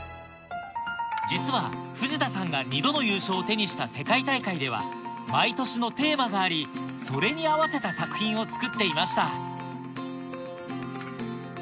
実は藤田さんが２度の優勝を手にした世界大会では毎年のテーマがありそれに合わせた作品を作っていました